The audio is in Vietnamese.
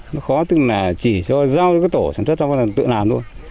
nó khó từng là chỉ cho giao cho cái tổ sản xuất cho tự làm thôi